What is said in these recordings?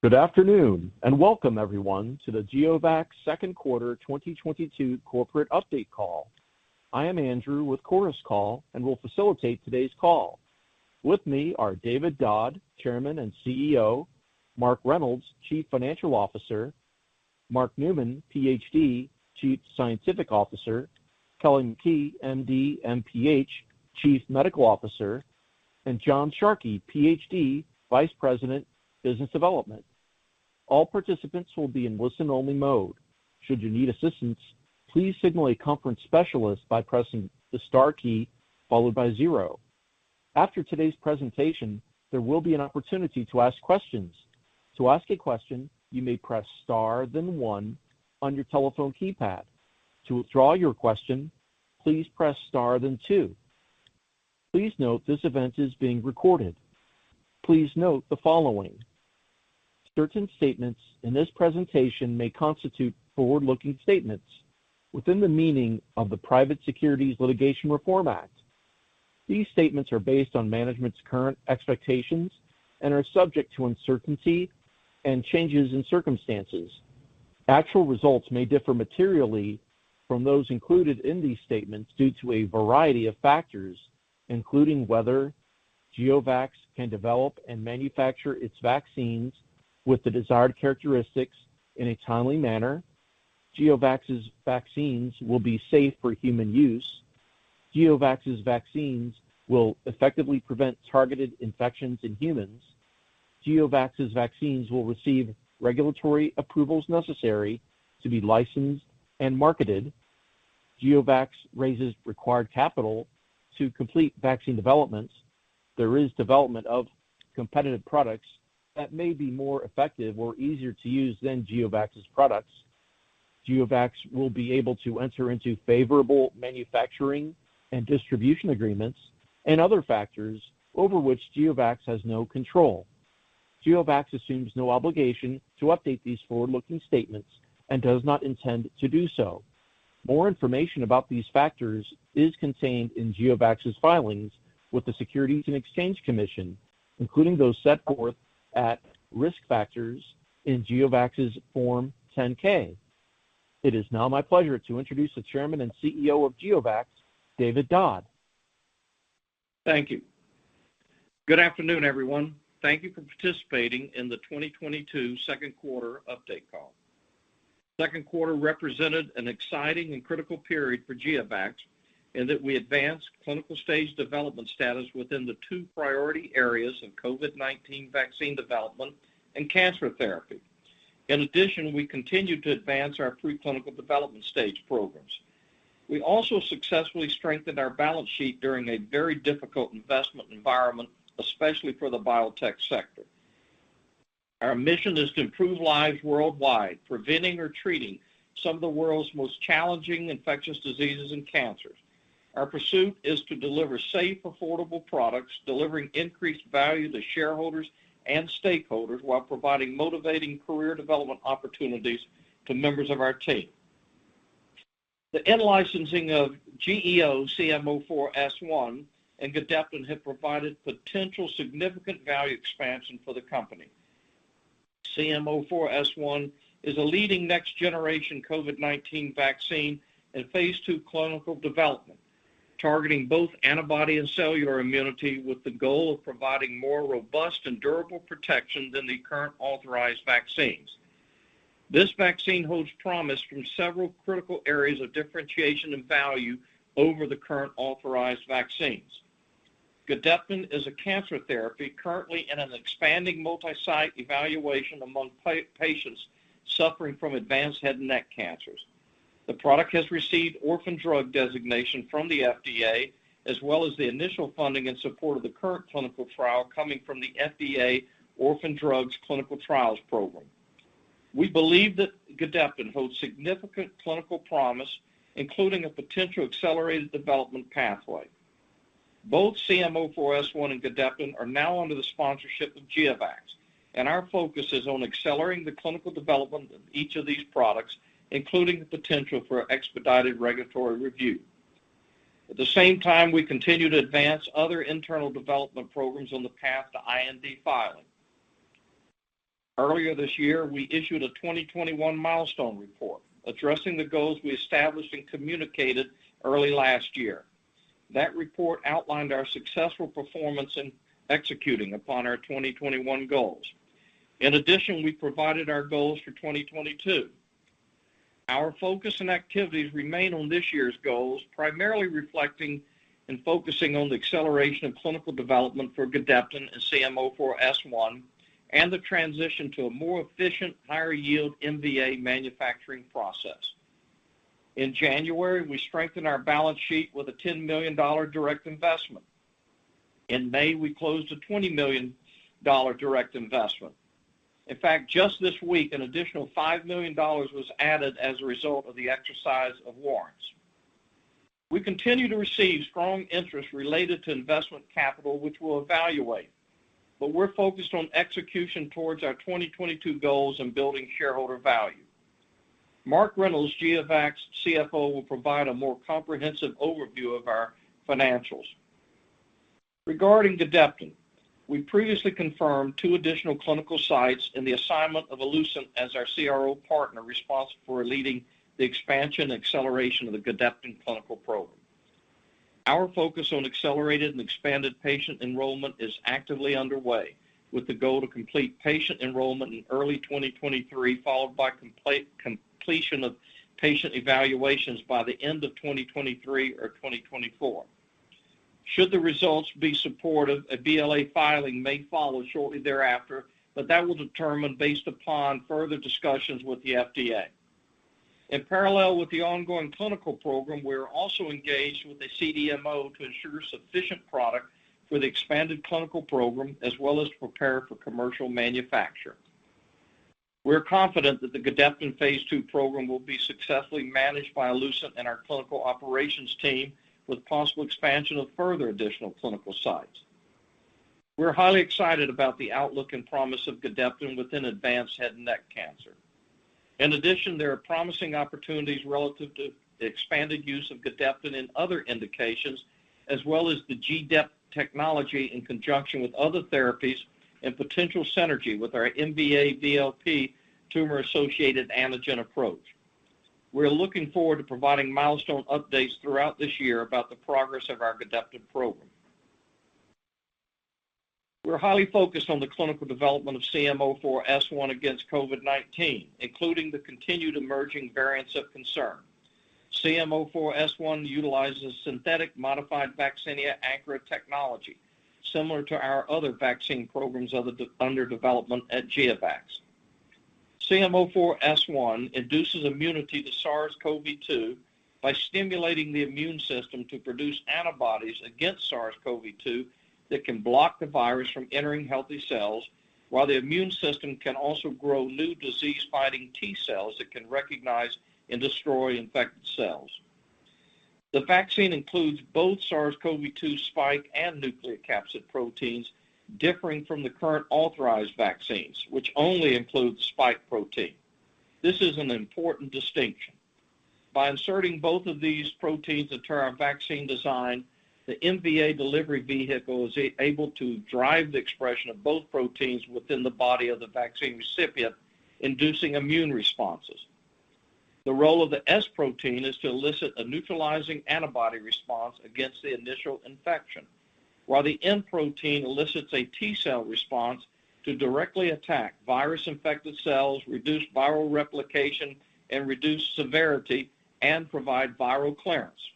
Good afternoon, and welcome everyone to the GeoVax Second Quarter 2022 Corporate Update Call. I am Andrew with Chorus Call and will facilitate today's call. With me are David A. Dodd, Chairman and CEO, Mark Reynolds, Chief Financial Officer, Mark Newman, PhD, Chief Scientific Officer, Kelly McKee, MD, MPH, Chief Medical Officer, and John Sharkey, PhD, Vice President, Business Development. All participants will be in listen-only mode. Should you need assistance, please signal a conference specialist by pressing the star key followed by zero. After today's presentation, there will be an opportunity to ask questions. To ask a question, you may press Star then one on your telephone keypad. To withdraw your question, please press Star then two. Please note this event is being recorded. Please note the following. Certain statements in this presentation may constitute forward-looking statements within the meaning of the Private Securities Litigation Reform Act. These statements are based on management's current expectations and are subject to uncertainty and changes in circumstances. Actual results may differ materially from those included in these statements due to a variety of factors, including whether GeoVax can develop and manufacture its vaccines with the desired characteristics in a timely manner, GeoVax's vaccines will be safe for human use, GeoVax's vaccines will effectively prevent targeted infections in humans, GeoVax's vaccines will receive regulatory approvals necessary to be licensed and marketed, GeoVax raises required capital to complete vaccine developments, there is development of competitive products that may be more effective or easier to use than GeoVax's products, GeoVax will be able to enter into favorable manufacturing and distribution agreements and other factors over which GeoVax has no control. GeoVax assumes no obligation to update these forward-looking statements and does not intend to do so. More information about these factors is contained in GeoVax's filings with the Securities and Exchange Commission, including those set forth at Risk Factors in GeoVax's Form 10-K. It is now my pleasure to introduce the Chairman and CEO of GeoVax, David Dodd. Thank you. Good afternoon, everyone. Thank you for participating in the 2022 second quarter update call. Second quarter represented an exciting and critical period for GeoVax in that we advanced clinical stage development status within the two priority areas of COVID-19 vaccine development and cancer therapy. In addition, we continued to advance our pre-clinical development stage programs. We also successfully strengthened our balance sheet during a very difficult investment environment, especially for the biotech sector. Our mission is to improve lives worldwide, preventing or treating some of the world's most challenging infectious diseases and cancers. Our pursuit is to deliver safe, affordable products, delivering increased value to shareholders and stakeholders while providing motivating career development opportunities to members of our team. The in-licensing of GEO-CM04S1 and Gedeptin have provided potential significant value expansion for the company. CM04S1 is a leading next generation COVID-19 vaccine in phase 2 clinical development, targeting both antibody and cellular immunity with the goal of providing more robust and durable protection than the current authorized vaccines. This vaccine holds promise from several critical areas of differentiation and value over the current authorized vaccines. Gedeptin is a cancer therapy currently in an expanding multi-site evaluation among patients suffering from advanced head and neck cancers. The product has received orphan drug designation from the FDA, as well as the initial funding in support of the current clinical trial coming from the FDA Orphan Products Clinical Trials Program. We believe that Gedeptin holds significant clinical promise, including a potential accelerated development pathway. Both CM04S1 and Gedeptin are now under the sponsorship of GeoVax, and our focus is on accelerating the clinical development of each of these products, including the potential for expedited regulatory review. At the same time, we continue to advance other internal development programs on the path to IND filing. Earlier this year, we issued a 2021 milestone report addressing the goals we established and communicated early last year. That report outlined our successful performance in executing upon our 2021 goals. In addition, we provided our goals for 2022. Our focus and activities remain on this year's goals, primarily reflecting and focusing on the acceleration of clinical development for Gedeptin and GEO-CM04S1, and the transition to a more efficient, higher yield MVA manufacturing process. In January, we strengthened our balance sheet with a $10 million direct investment. In May, we closed a $20 million direct investment. In fact, just this week, an additional $5 million was added as a result of the exercise of warrants. We continue to receive strong interest related to investment capital, which we'll evaluate, but we're focused on execution towards our 2022 goals and building shareholder value. Mark Reynolds, GeoVax CFO, will provide a more comprehensive overview of our financials. Regarding Gedeptin, we previously confirmed two additional clinical sites in the assignment of Allucent as our CRO partner responsible for leading the expansion and acceleration of the Gedeptin clinical program. Our focus on accelerated and expanded patient enrollment is actively underway, with the goal to complete patient enrollment in early 2023, followed by completion of patient evaluations by the end of 2023 or 2024. Should the results be supportive, a BLA filing may follow shortly thereafter, but that will determine based upon further discussions with the FDA. In parallel with the ongoing clinical program, we are also engaged with a CDMO to ensure sufficient product for the expanded clinical program as well as to prepare for commercial manufacture. We're confident that the Gedeptin phase 2 program will be successfully managed by Allucent and our clinical operations team, with possible expansion of further additional clinical sites. We're highly excited about the outlook and promise of Gedeptin within advanced head and neck cancer. In addition, there are promising opportunities relative to the expanded use of Gedeptin in other indications, as well as the GDEP technology in conjunction with other therapies and potential synergy with our MVA-VLP tumor-associated antigen approach. We're looking forward to providing milestone updates throughout this year about the progress of our Gedeptin program. We're highly focused on the clinical development of CM04S1 against COVID-19, including the continued emerging variants of concern. CM04S1 utilizes synthetic Modified Vaccinia Ankara technology, similar to our other vaccine programs under development at GeoVax. CM04S1 induces immunity to SARS-CoV-2 by stimulating the immune system to produce antibodies against SARS-CoV-2 that can block the virus from entering healthy cells, while the immune system can also grow new disease-fighting T cells that can recognize and destroy infected cells. The vaccine includes both SARS-CoV-2 spike and nucleocapsid proteins, differing from the current authorized vaccines, which only include the spike protein. This is an important distinction. By inserting both of these proteins into our vaccine design, the MVA delivery vehicle is able to drive the expression of both proteins within the body of the vaccine recipient, inducing immune responses. The role of the S protein is to elicit a neutralizing antibody response against the initial infection, while the N protein elicits a T cell response to directly attack virus-infected cells, reduce viral replication, and reduce severity, and provide viral clearance.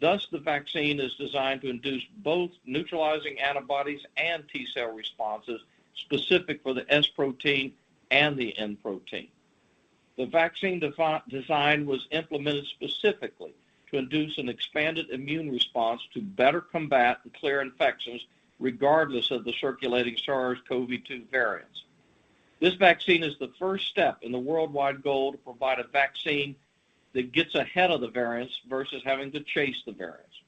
Thus, the vaccine is designed to induce both neutralizing antibodies and T cell responses specific for the S protein and the N protein. The vaccine design was implemented specifically to induce an expanded immune response to better combat and clear infections regardless of the circulating SARS-CoV-2 variants. This vaccine is the first step in the worldwide goal to provide a vaccine that gets ahead of the variants versus having to chase the variants.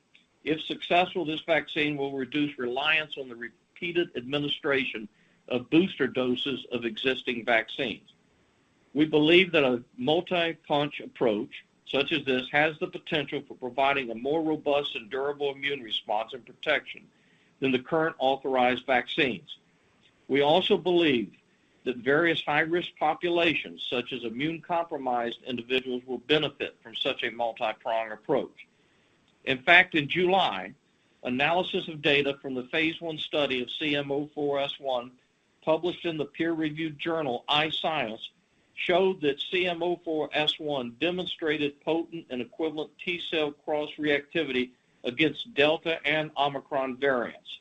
If successful, this vaccine will reduce reliance on the repeated administration of booster doses of existing vaccines. We believe that a multi-pronged approach such as this has the potential for providing a more robust and durable immune response and protection than the current authorized vaccines. We also believe that various high-risk populations, such as immune-compromised individuals, will benefit from such a multi-pronged approach. In fact, in July, analysis of data from the phase one study of CM04S1, published in the peer-reviewed journal iScience, showed that CM04S1 demonstrated potent and equivalent T cell cross-reactivity against Delta and Omicron variants.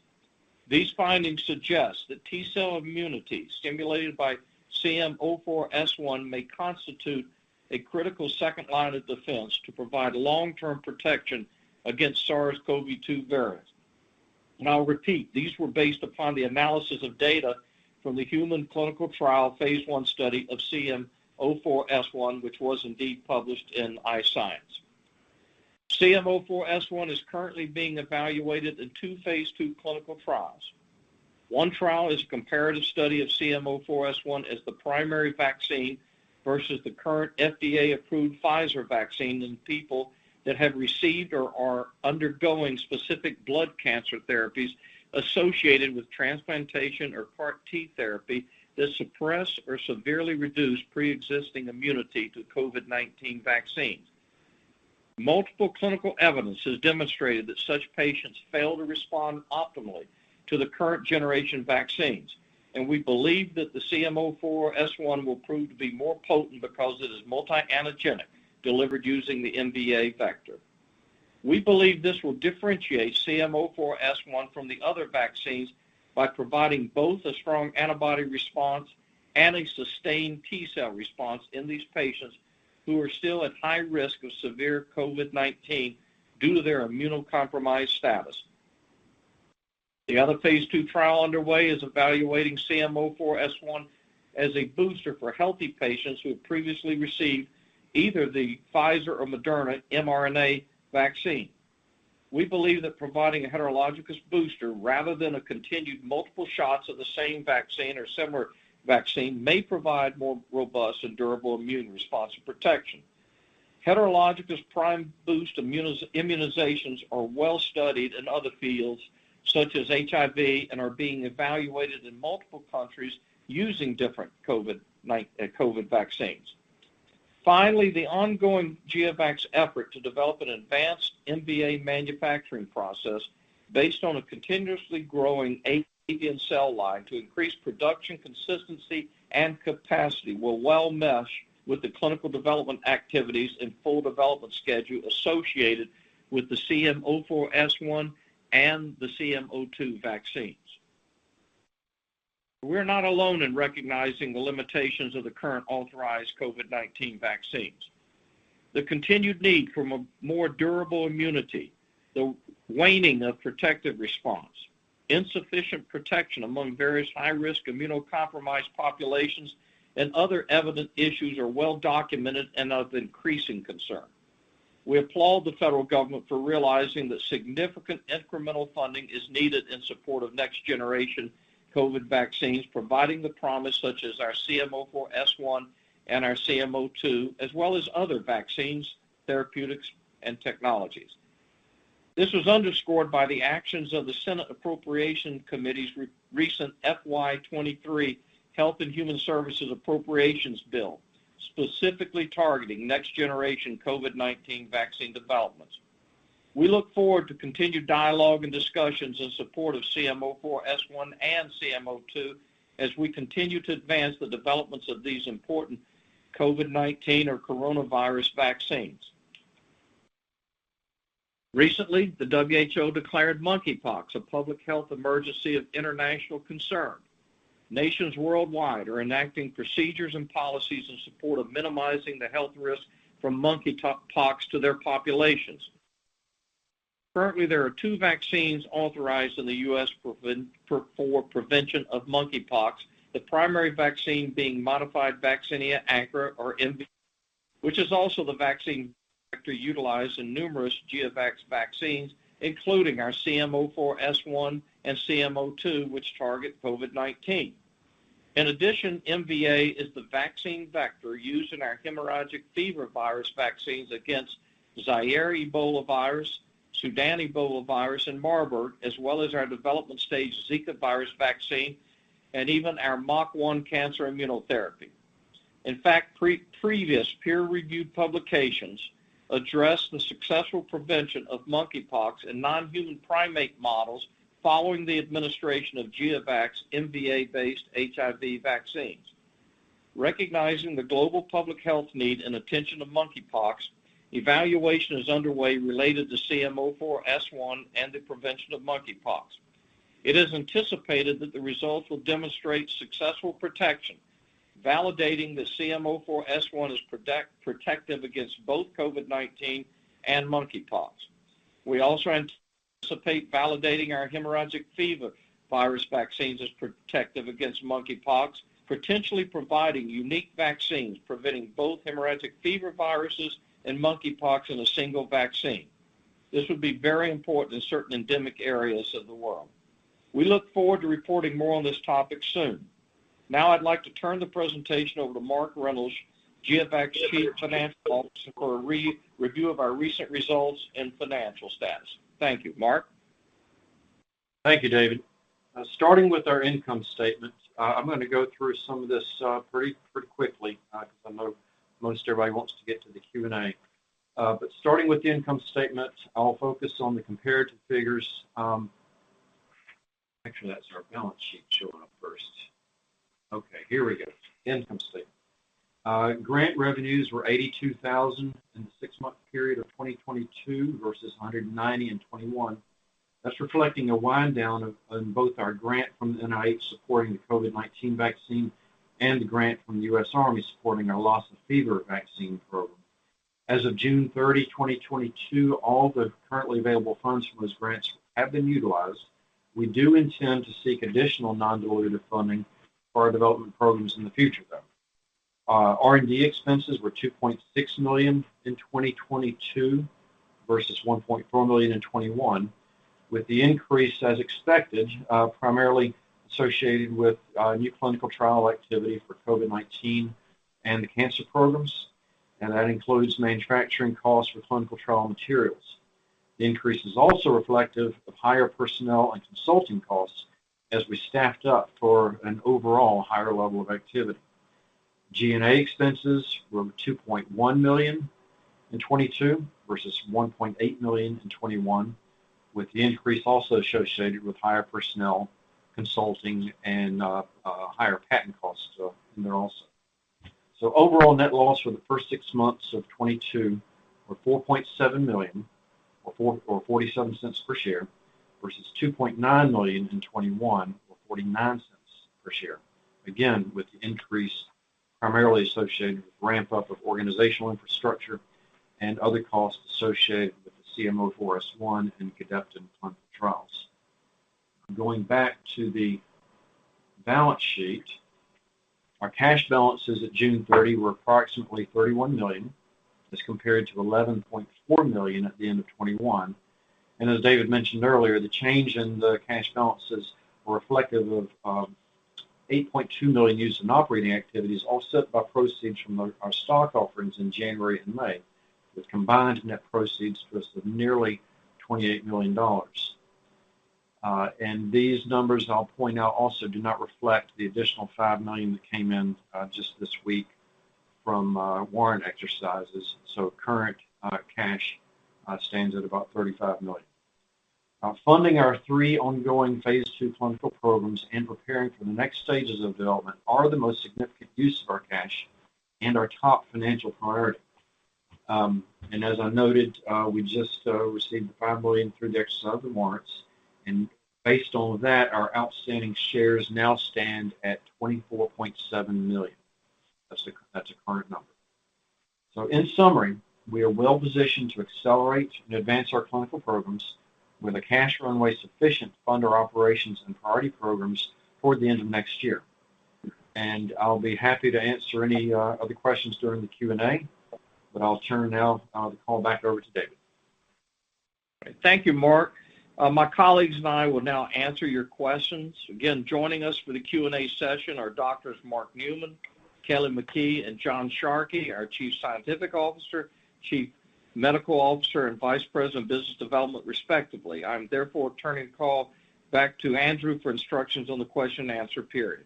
These findings suggest that T cell immunity stimulated by CM04S1 may constitute a critical second line of defense to provide long-term protection against SARS-CoV-2 variants. I'll repeat, these were based upon the analysis of data from the human clinical trial phase one study of CM04S1, which was indeed published in iScience. CM04S1 is currently being evaluated in two phase two clinical trials. One trial is a comparative study of CM04S1 as the primary vaccine versus the current FDA-approved Pfizer vaccine in people that have received or are undergoing specific blood cancer therapies associated with transplantation or CAR T therapy that suppress or severely reduce pre-existing immunity to COVID-19 vaccines. Multiple clinical evidence has demonstrated that such patients fail to respond optimally to the current generation vaccines, and we believe that the CM04S1 will prove to be more potent because it is multi-antigenic, delivered using the MVA vector. We believe this will differentiate CM04S1 from the other vaccines by providing both a strong antibody response and a sustained T cell response in these patients who are still at high risk of severe COVID-19 due to their immunocompromised status. The other phase two trial underway is evaluating GEO-CM04S1 as a booster for healthy patients who have previously received either the Pfizer or Moderna mRNA vaccine. We believe that providing a heterologous booster rather than a continued multiple shots of the same vaccine or similar vaccine may provide more robust and durable immune response and protection. Heterologous prime boost immunizations are well-studied in other fields such as HIV, and are being evaluated in multiple countries using different COVID vaccines. Finally, the ongoing GeoVax effort to develop an advanced MVA manufacturing process based on a continuously growing avian cell line to increase production consistency and capacity will well mesh with the clinical development activities and full development schedule associated with the GEO-CM04S1 and the GEO-CM02 vaccines. We're not alone in recognizing the limitations of the current authorized COVID-19 vaccines. The continued need for a more durable immunity, the waning of protective response, insufficient protection among various high-risk immunocompromised populations, and other evident issues are well documented and of increasing concern. We applaud the federal government for realizing that significant incremental funding is needed in support of next generation COVID vaccines, providing the promise such as our CM004S1 and our CM002, as well as other vaccines, therapeutics, and technologies. This was underscored by the actions of the Senate Appropriations Committee's very recent FY 2023 Health and Human Services appropriations bill, specifically targeting next generation COVID-19 vaccine developments. We look forward to continued dialogue and discussions in support of CM004S1 and CM002 as we continue to advance the developments of these important COVID-19 or coronavirus vaccines. Recently, the WHO declared monkeypox a public health emergency of international concern. Nations worldwide are enacting procedures and policies in support of minimizing the health risk from monkeypox to their populations. Currently, there are two vaccines authorized in the U.S. for prevention of monkeypox, the primary vaccine being Modified Vaccinia Ankara, or MVA, which is also the vaccine vector utilized in numerous GeoVax vaccines, including our GEO-CM04S1 and GEO-CM02, which target COVID-19. In addition, MVA is the vaccine vector used in our hemorrhagic fever virus vaccines against Zaire ebolavirus, Sudan ebolavirus, and Marburg, as well as our development-stage Zika virus vaccine, and even our MUC1 cancer immunotherapy. In fact, previous peer-reviewed publications addressed the successful prevention of monkeypox in non-human primate models following the administration of GeoVax MVA-based HIV vaccines. Recognizing the global public health need and attention to monkeypox, evaluation is underway related to GEO-CM04S1 and the prevention of monkeypox.It is anticipated that the results will demonstrate successful protection, validating the CM004S1 as protective against both COVID-19 and monkeypox. We also anticipate validating our hemorrhagic fever virus vaccines as protective against monkeypox, potentially providing unique vaccines preventing both hemorrhagic fever viruses and monkeypox in a single vaccine. This would be very important in certain endemic areas of the world. We look forward to reporting more on this topic soon. Now I'd like to turn the presentation over to Mark Reynolds, GeoVax Chief Financial Officer, for a review of our recent results and financial status. Thank you. Mark? Thank you, David. Starting with our income statement, I'm gonna go through some of this pretty quickly, 'cause I know most everybody wants to get to the Q&A. Starting with the income statement, I'll focus on the comparative figures. Actually that's our balance sheet showing up first. Okay, here we go. Income statement. Grant revenues were $82,000 in the six-month period of 2022 versus $190 in 2021. That's reflecting a wind down of, on both our grant from the NIH supporting the COVID-19 vaccine and the grant from the U.S. Army supporting our Lassa fever vaccine program. As of June 30, 2022, all the currently available funds from those grants have been utilized. We do intend to seek additional non-dilutive funding for our development programs in the future, though. R&D expenses were $2.6 million in 2022 versus $1.4 million in 2021, with the increase, as expected, primarily associated with new clinical trial activity for COVID-19 and the cancer programs, and that includes manufacturing costs for clinical trial materials. The increase is also reflective of higher personnel and consulting costs as we staffed up for an overall higher level of activity. G&A expenses were $2.1 million in 2022 versus $1.8 million in 2021, with the increase also associated with higher personnel consulting and higher patent costs in there also. Overall net loss for the first six months of 2022 were $4.7 million or $0.47 per share, versus $2.9 million in 2021 or $0.49 per share. Again, with the increase primarily associated with ramp up of organizational infrastructure and other costs associated with the GEO-CM04S1 and Gedeptin clinical trials. Going back to the balance sheet, our cash balances at June 30 were approximately $31 million as compared to $11.4 million at the end of 2021. As David mentioned earlier, the change in the cash balances were reflective of eight point two million used in operating activities, offset by proceeds from our stock offerings in January and May, with combined net proceeds to us of nearly $28 million. These numbers, I'll point out, also do not reflect the additional $5 million that came in just this week from warrant exercises. Current cash stands at about $35 million. Funding our three ongoing phase 2 clinical programs and preparing for the next stages of development are the most significant use of our cash and our top financial priority. As I noted, we just received the $5 million through the exercise of the warrants. Based on that, our outstanding shares now stand at 24.7 million. That's the current number. In summary, we are well positioned to accelerate and advance our clinical programs with a cash runway sufficient to fund our operations and priority programs toward the end of next year. I'll be happy to answer any other questions during the Q&A, but I'll turn now the call back over to David. Thank you, Mark. My colleagues and I will now answer your questions. Again, joining us for the Q&A session are Doctors Mark Newman, Kelly McKee, and John Sharkey, our Chief Scientific Officer, Chief Medical Officer, and Vice President of Business Development, respectively. I'm therefore turning the call back to Andrew for instructions on the question and answer period.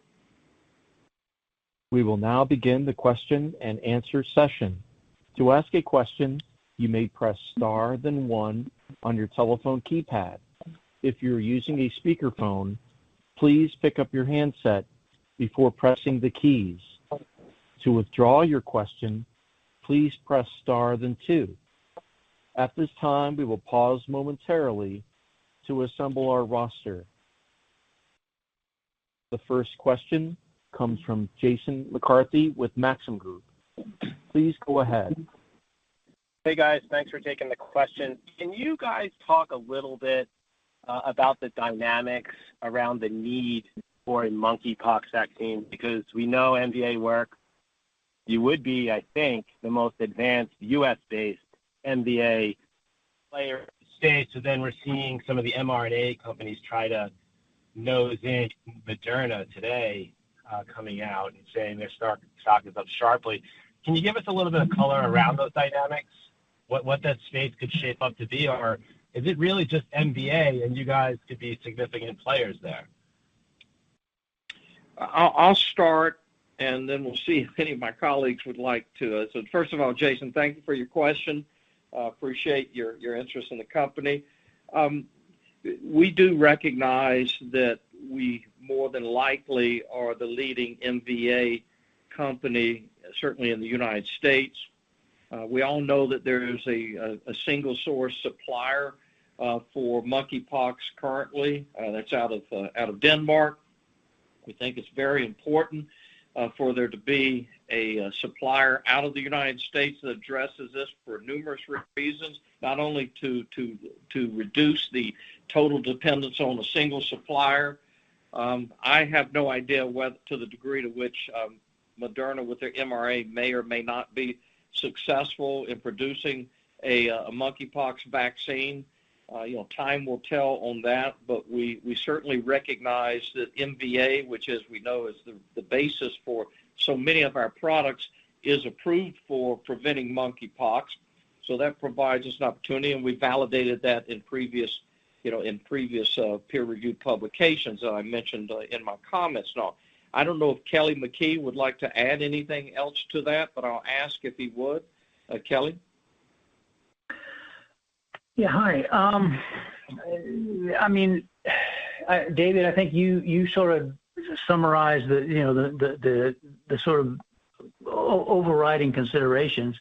We will now begin the question-and-answer session. To ask a question, you may press star, then one on your telephone keypad. If you're using a speakerphone, please pick up your handset before pressing the keys. To withdraw your question, please press star, then two. At this time, we will pause momentarily to assemble our roster. The first question comes from Jason McCarthy with Maxim Group. Please go ahead. Hey, guys. Thanks for taking the question. Can you guys talk a little bit about the dynamics around the need for a monkeypox vaccine? Because we know MVA works. You would be, I think, the most advanced U.S.-based MVA player space. We're seeing some of the mRNA companies try to nose in. Moderna today coming out and saying their stock is up sharply. Can you give us a little bit of color around those dynamics? What that space could shape up to be? Or is it really just MVA, and you guys could be significant players there? I'll start, then we'll see if any of my colleagues would like to. First of all, Jason, thank you for your question. Appreciate your interest in the company. We do recognize that we more than likely are the leading MVA company, certainly in the United States. We all know that there is a single source supplier for monkeypox currently, that's out of Denmark. We think it's very important for there to be a supplier out of the United States that addresses this for numerous reasons, not only to reduce the total dependence on a single supplier. I have no idea to the degree to which Moderna with their mRNA may or may not be successful in producing a monkeypox vaccine. You know, time will tell on that. We certainly recognize that MVA, which as we know is the basis for so many of our products, is approved for preventing monkeypox. That provides us an opportunity, and we validated that in previous, you know, peer-reviewed publications that I mentioned in my comments. Now, I don't know if Kelly McKee would like to add anything else to that, but I'll ask if he would. Kelly? Yeah. Hi. I mean, David, I think you sort of summarized the sort of overriding considerations.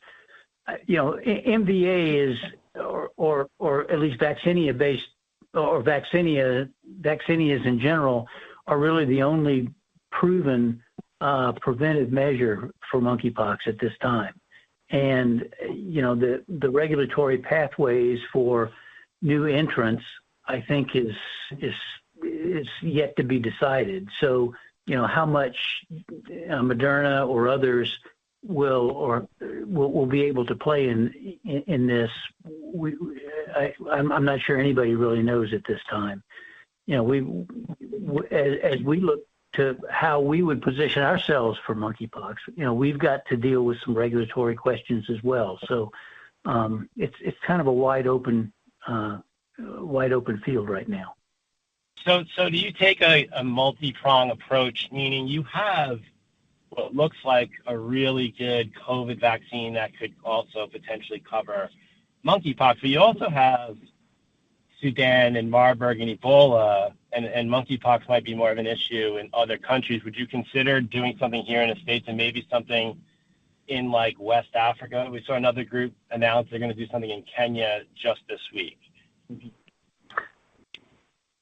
You know, MVA is, or at least vaccinia-based or vaccinia in general are really the only proven preventive measure for monkeypox at this time. You know, the regulatory pathways for new entrants, I think is yet to be decided. You know, how much Moderna or others will be able to play in this, I'm not sure anybody really knows at this time. You know, as we look to how we would position ourselves for monkeypox, we've got to deal with some regulatory questions as well. It's kind of a wide open field right now. Do you take a multi-pronged approach, meaning you have what looks like a really good COVID vaccine that could also potentially cover monkeypox. You also have Sudan and Marburg and Ebola and monkeypox might be more of an issue in other countries. Would you consider doing something here in the States and maybe something in like West Africa? We saw another group announce they're going to do something in Kenya just this week.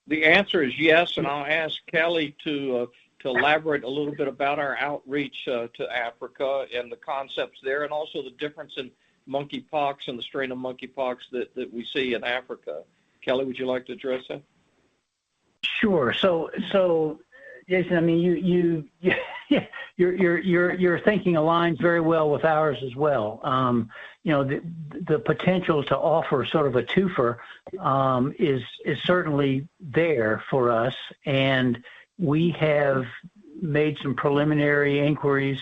The answer is yes, and I'll ask Kelly to elaborate a little bit about our outreach to Africa and the concepts there, and also the difference in monkeypox and the strain of monkeypox that we see in Africa. Kelly, would you like to address that? Sure. Jason, I mean, your thinking aligns very well with ours as well. You know, the potential to offer sort of a twofer is certainly there for us, and we have made some preliminary inquiries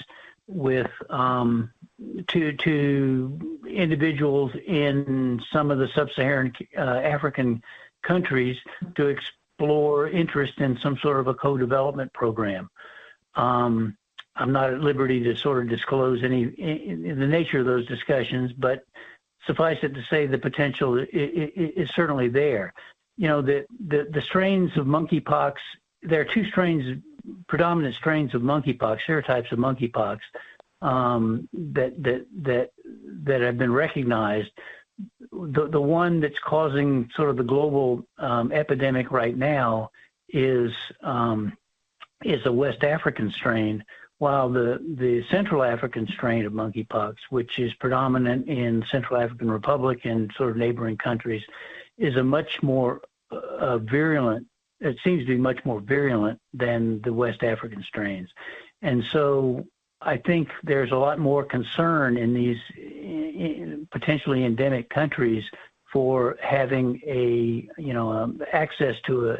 to individuals in some of the Sub-Saharan African countries to explore interest in some sort of a co-development program. I'm not at liberty to sort of disclose the nature of those discussions, but suffice it to say the potential is certainly there. You know, the strains of monkeypox. There are two predominant strains of monkeypox, serotypes of monkeypox, that have been recognized. The one that's causing sort of the global epidemic right now is a West African strain, while the Central African strain of monkeypox, which is predominant in Central African Republic and sort of neighboring countries, is a much more virulent. It seems to be much more virulent than the West African strains. I think there's a lot more concern in these potentially endemic countries for having access to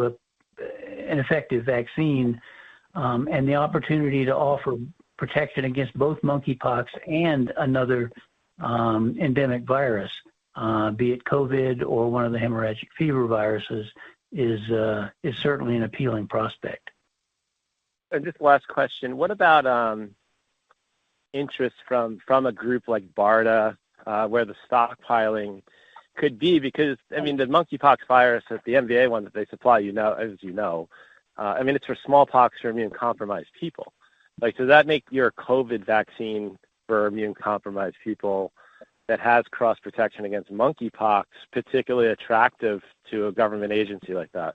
an effective vaccine, and the opportunity to offer protection against both monkeypox and another endemic virus, be it COVID or one of the hemorrhagic fever viruses, is certainly an appealing prospect. Just last question. What about interest from a group like BARDA, where the stockpiling could be? Because, I mean, the monkeypox virus and the MVA one that they supply, you know, as you know, I mean, it's for smallpox for immune-compromised people. Like, does that make your COVID vaccine for immune-compromised people that has cross-protection against monkeypox particularly attractive to a government agency like that?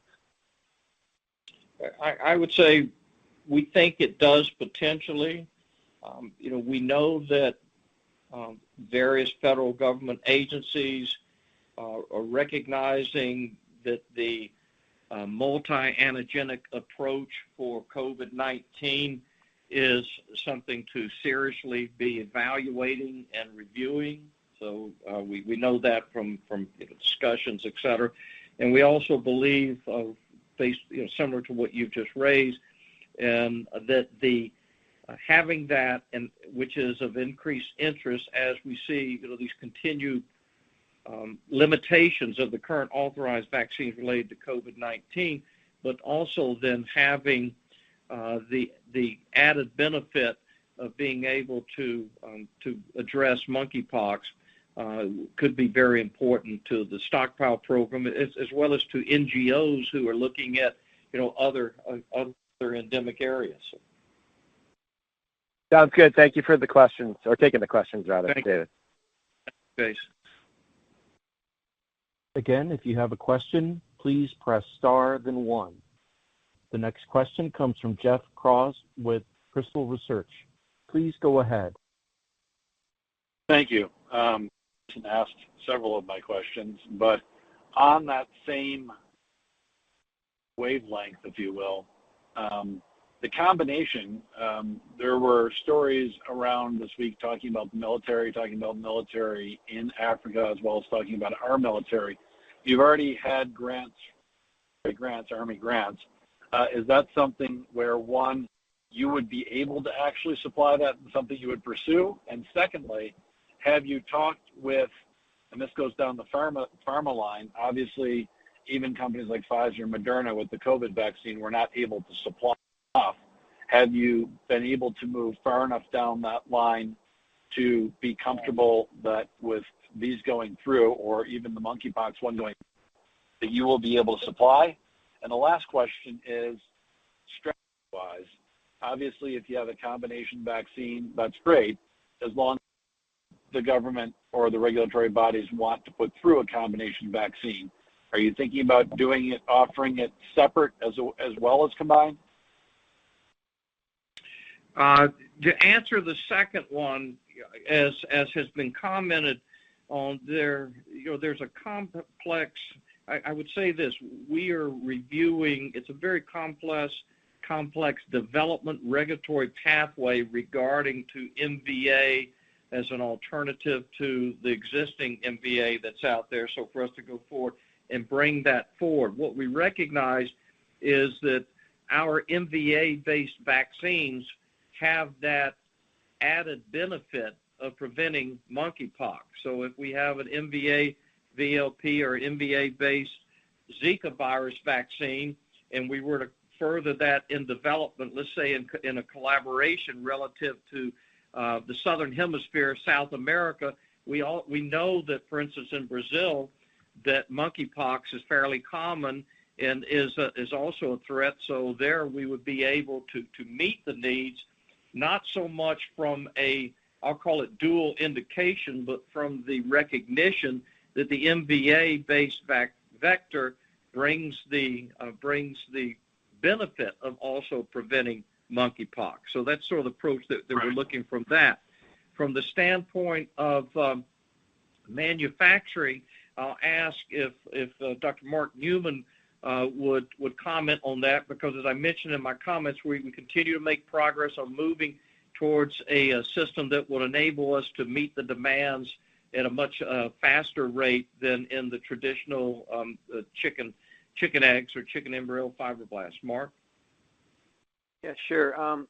I would say we think it does potentially. You know, we know that various federal government agencies are recognizing that the multi-antigenic approach for COVID-19 is something to seriously be evaluating and reviewing. We know that from discussions, etc. We also believe, based, you know, similar to what you've just raised, that the having that and which is of increased interest as we see, you know, these continued limitations of the current authorized vaccines related to COVID-19, but also then having the added benefit of being able to to address monkeypox could be very important to the stockpile program as well as to NGOs who are looking at, you know, other endemic areas. Sounds good. Thank you for the questions or taking the questions rather, David. Thank you. Thanks. Again, if you have a question, please press star then one. The next question comes from Jeff Kraws with Crystal Research. Please go ahead. Thank you. Jason asked several of my questions, but on that same wavelength, if you will, the combination, there were stories around this week talking about the military, talking about military in Africa, as well as talking about our military. You have already had grants, Army grants. Is that something where, one, you would be able to actually supply that and something you would pursue? Secondly, have you talked with? This goes down the pharma line. Obviously, even companies like Pfizer and Moderna with the COVID vaccine were not able to supply enough. Have you been able to move far enough down that line to be comfortable that with these going through or even the monkeypox one going, that you will be able to supply? The last question is, strategy-wise, obviously, if you have a combination vaccine, that's great, as long as the government or the regulatory bodies want to put through a combination vaccine. Are you thinking about doing it, offering it separate as well as combined? To answer the second one, as has been commented on, you know, I would say this: we are reviewing. It's a very complex development regulatory pathway regarding MVA as an alternative to the existing MVA that's out there. So for us to go forward and bring that forward. What we recognized is that our MVA-based vaccines have that added benefit of preventing monkeypox. So if we have an MVA VLP or MVA-based Zika virus vaccine, and we were to further that in development, let's say in a collaboration relative to the Southern Hemisphere, South America, we know that, for instance, in Brazil, that monkeypox is fairly common and is also a threat. There, we would be able to meet the needs, not so much from a, I'll call it dual indication, but from the recognition that the MVA-based vaccine vector brings the benefit of also preventing monkeypox. That's sort of the approach that we're looking from that. From the standpoint of manufacturing, I'll ask if Dr. Mark Newman would comment on that. Because as I mentioned in my comments, we continue to make progress on moving towards a system that would enable us to meet the demands at a much faster rate than in the traditional chicken eggs or chicken embryo fibroblasts. Mark? Yeah, sure.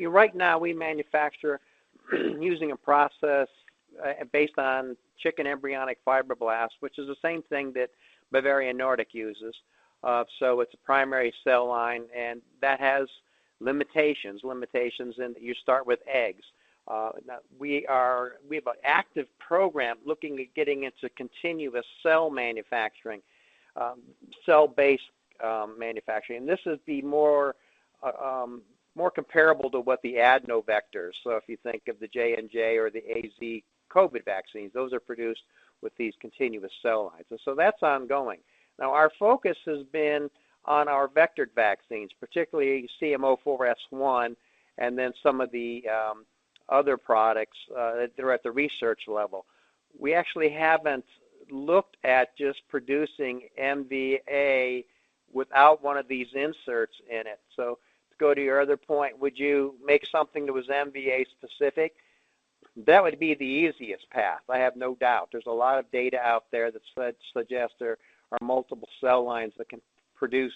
Right now we manufacture using a process based on chicken embryonic fibroblasts. Which is the same thing that Bavarian Nordic uses. It's a primary cell line, and that has limitations in that you start with eggs. We have an active program looking at getting into continuous cell manufacturing, cell-based manufacturing. This is more comparable to what the adeno vectors. If you think of the J&J or the AZ COVID vaccines, those are produced with these continuous cell lines. That's ongoing. Our focus has been on our vectored vaccines, particularly GEO-CM04S1 and then some of the other products that are at the research level. We actually haven't looked at just producing MVA without one of these inserts in it. To go to your other point, would you make something that was MVA-specific? That would be the easiest path, I have no doubt. There's a lot of data out there that suggests there are multiple cell lines that can produce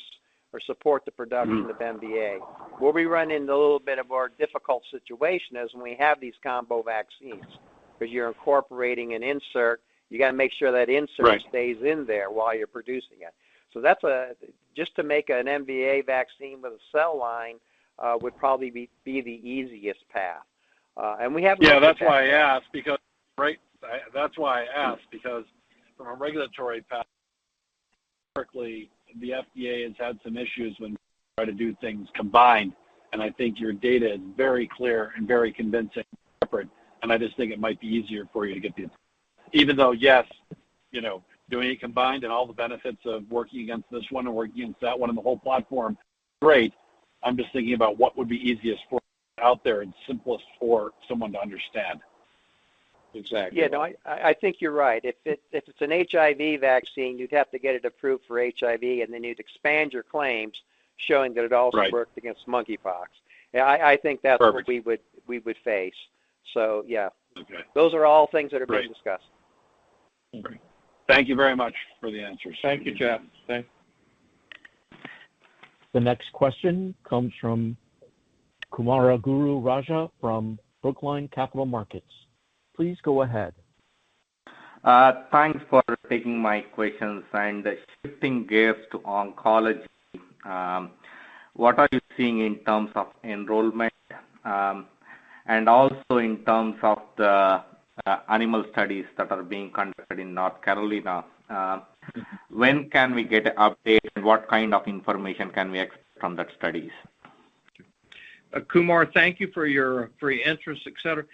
or support the production- Mm-hmm of MVA. Where we run into a little bit of a more difficult situation is when we have these combo vaccines, 'cause you're incorporating an insert. You gotta make sure that insert. Right... stays in there while you're producing it. Just to make an MVA vaccine with a cell line would probably be the easiest path. We have- Yeah, that's why I asked, because from a regulatory perspective, the FDA has had some issues when trying to do things combined. I think your data is very clear and very convincing, separate, and I just think it might be easier for you to get the. Even though, yes, you know, doing it combined and all the benefits of working against this one or working against that one and the whole platform, great. I'm just thinking about what would be easiest out there and simplest for someone to understand. Exactly. Yeah, no, I think you're right. If it's an HIV vaccine, you'd have to get it approved for HIV, and then you'd expand your claims, showing that it also. Right worked against monkeypox. Yeah, I think that's. Perfect what we would face. Yeah. Okay. Those are all things that are being discussed. Great. Thank you very much for the answers. Thank you, Jeff. Thanks. The next question comes from Kumar Raja from Brookline Capital Markets. Please go ahead. Thanks for taking my questions. Shifting gears to oncology, what are you seeing in terms of enrollment, and also in terms of the animal studies that are being conducted in North Carolina? When can we get an update, and what kind of information can we expect from the studies? Kumar, thank you for your interest, et cetera.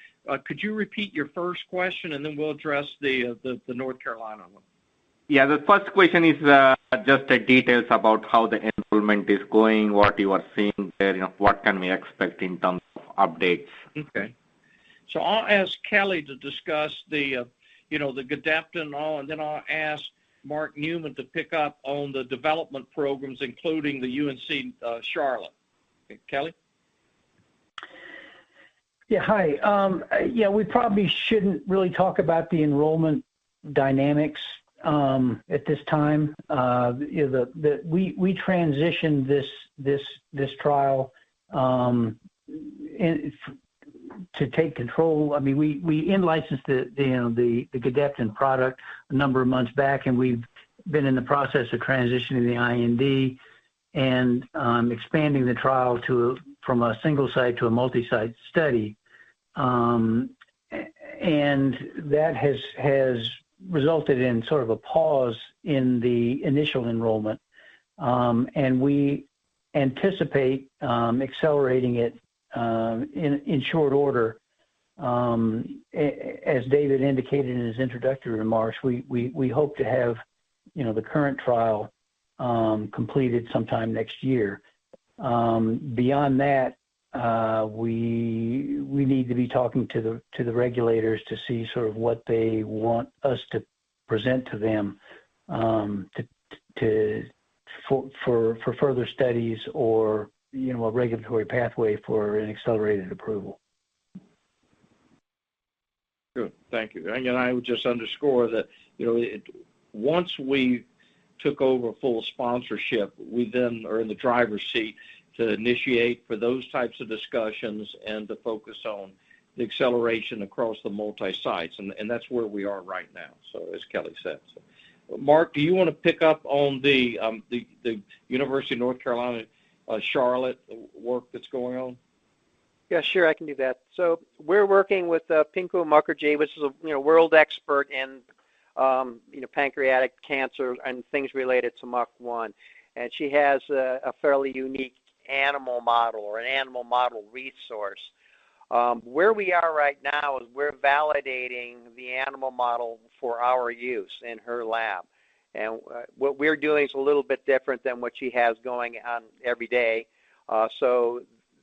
Could you repeat your first question, and then we'll address the North Carolina one? Yeah. The first question is, just the details about how the enrollment is going, what you are seeing there, and what can we expect in terms of updates? Okay. I'll ask Kelly to discuss the, you know, the Gedeptin and all, and then I'll ask Mark Newman to pick up on the development programs, including the UNC Charlotte. Kelly? Yeah. Hi. Yeah, we probably shouldn't really talk about the enrollment dynamics at this time. You know, we transitioned this trial to take control. I mean, we in-licensed the Gedeptin product a number of months back, and we've been in the process of transitioning the IND and expanding the trial from a single site to a multi-site study. And that has resulted in sort of a pause in the initial enrollment. And we anticipate accelerating it in short order. As David indicated in his introductory remarks, we hope to have the current trial completed sometime next year. Beyond that, we need to be talking to the regulators to see sort of what they want us to present to them, for further studies or a regulatory pathway for an accelerated approval. Good. Thank you. I would just underscore that, you know, once we took over full sponsorship, we then are in the driver's seat to initiate for those types of discussions and to focus on the acceleration across the multi-sites, and that's where we are right now, so as Kelly said. Mark, do you wanna pick up on the University of North Carolina at Charlotte work that's going on? Yeah, sure, I can do that. We're working with Pinku Mukherjee, which is a you know world expert in you know pancreatic cancer and things related to MUC1. She has a fairly unique animal model or an animal model resource. Where we are right now is we're validating the animal model for our use in her lab. What we're doing is a little bit different than what she has going on every day.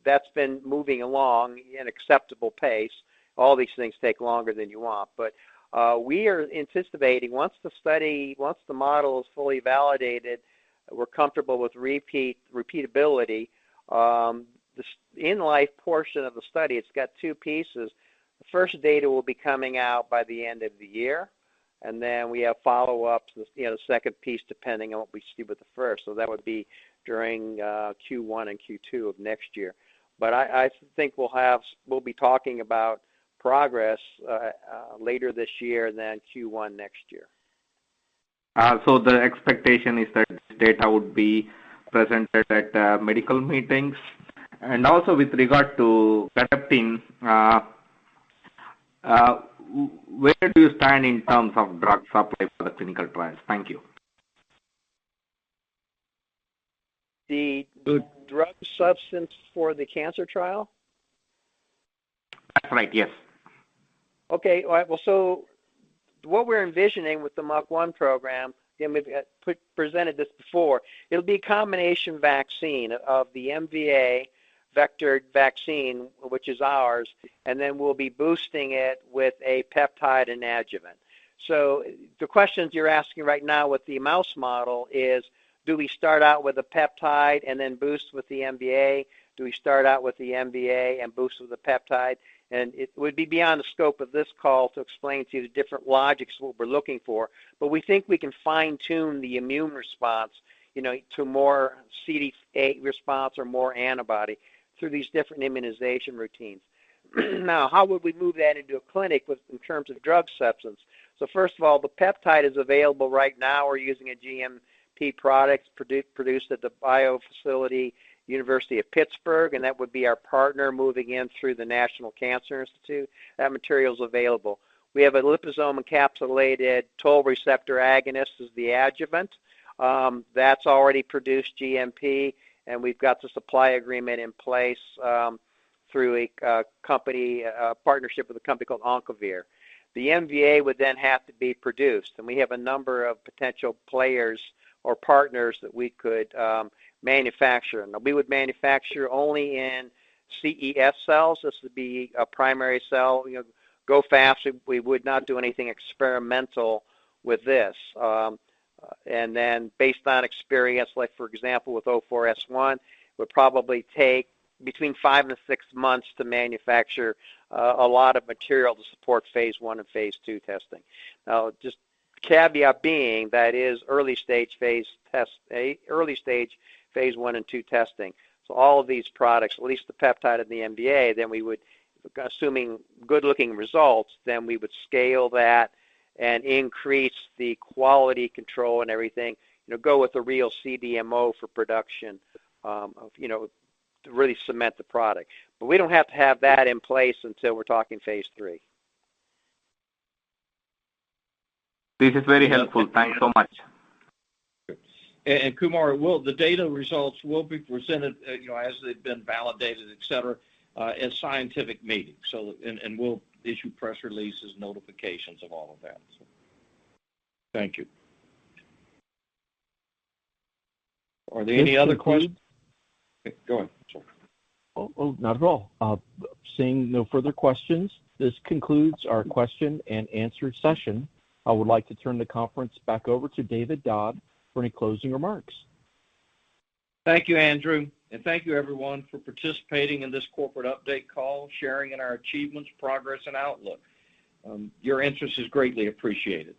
That's been moving along in acceptable pace. All these things take longer than you want. We are anticipating once the model is fully validated, we're comfortable with repeatability, the in-life portion of the study, it's got two pieces. The first data will be coming out by the end of the year, and then we have follow-ups, you know, the second piece, depending on what we see with the first. That would be during Q1 and Q2 of next year. I think we'll be talking about progress later this year and then Q1 next year. The expectation is that data would be presented at medical meetings. Also with regard to where do you stand in terms of drug supply for the clinical trials? Thank you. The drug substance for the cancer trial? That's right, yes. Okay. All right. Well, what we're envisioning with the MVA program, and we've presented this before, it'll be a combination vaccine of the MVA vectored vaccine, which is ours, and then we'll be boosting it with a peptide adjuvant. The questions you're asking right now with the mouse model is, do we start out with a peptide and then boost with the MVA? Do we start out with the MVA and boost with a peptide? It would be beyond the scope of this call to explain to you the different logics of what we're looking for. We think we can fine-tune the immune response, you know, to more CD8 response or more antibody through these different immunization routines. Now, how would we move that into a clinic in terms of drug substance? First of all, the peptide is available right now. We're using a GMP product produced at the Biofacility, University of Pittsburgh, and that would be our partner moving in through the National Cancer Institute. That material is available. We have a liposome encapsulated toll receptor agonist as the adjuvant. That's already produced GMP, and we've got the supply agreement in place through a company partnership with a company called OncoVir. The MVA would then have to be produced, and we have a number of potential players or partners that we could manufacture. Now, we would manufacture only in CEF cells. This would be a primary cell, you know, go fast. We would not do anything experimental with this. Based on experience, like for example with GEO-CM04S1, it would probably take between 5-6 months to manufacture a lot of material to support phase 1 and phase 2 testing. Now, just caveat being that is early stage phase 1 and phase 2 testing. All of these products, at least the peptide and the MVA, we would, assuming good-looking results, scale that and increase the quality control and everything. You know, go with a real CDMO for production of, you know, to really cement the product. We don't have to have that in place until we're talking phase 3. This is very helpful. Thanks so much. Kumar, the data results will be presented, you know, as they've been validated, et cetera, at scientific meetings. We'll issue press releases, notifications of all of that. Thank you. Are there any other questions? Go ahead, sir. Oh, not at all. Seeing no further questions, this concludes our question-and-answer session. I would like to turn the conference back over to David A. Dodd for any closing remarks. Thank you, Andrew. Thank you everyone for participating in this corporate update call, sharing in our achievements, progress, and outlook. Your interest is greatly appreciated.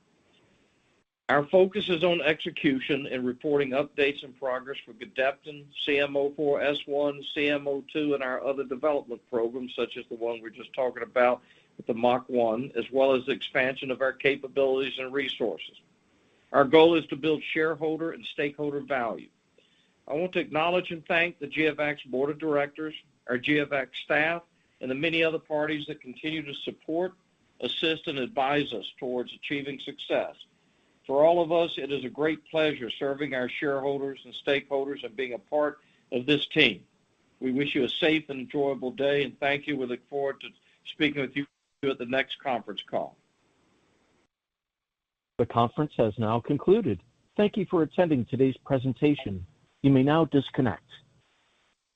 Our focus is on execution and reporting updates and progress with Gedeptin, GEO-CM04S1, GEO-CM02, and our other development programs, such as the one we're just talking about with the MUC1, as well as expansion of our capabilities and resources. Our goal is to build shareholder and stakeholder value. I want to acknowledge and thank the GeoVax Board of Directors, our GeoVax staff, and the many other parties that continue to support, assist, and advise us towards achieving success. For all of us, it is a great pleasure serving our shareholders and stakeholders and being a part of this team. We wish you a safe and enjoyable day, and thank you. We look forward to speaking with you at the next conference call. The conference has now concluded. Thank you for attending today's presentation. You may now disconnect.